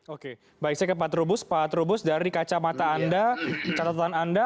oke baik saya ke pak trubus pak trubus dari kacamata anda catatan anda